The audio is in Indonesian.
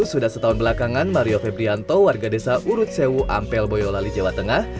sudah setahun belakangan mario febrianto warga desa urut sewu ampel boyolali jawa tengah